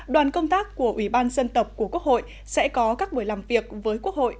đoàn công tác của ủy ban dân tộc của quốc hội sẽ có các buổi làm việc với quốc hội